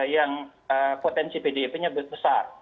yang potensi pdip nya besar